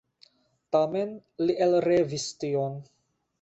Tamen li elrevis tion.